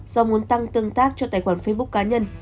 do muốn tăng tương tác cho tài khoản facebook cá nhân